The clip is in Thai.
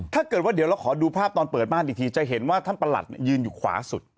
ถ้าเกิดว่าเดี๋ยวเราขอดูภาพตอนเปิดบ้านอีกทีจะเห็นว่าท่านประหลัดยืนอยู่ขวาสุด